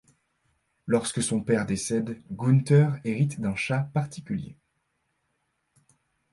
Lorsque son père décède, Gunther hérite d'un chat particulier.